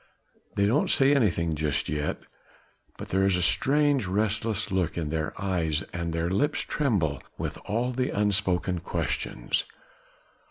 They don't say anything just yet, but there is a strange, restless look in their eyes and their lips tremble with all the unspoken questions.